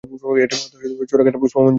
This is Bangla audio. এটাই মূলত চোরকাটার পুষ্পমঞ্জুরি।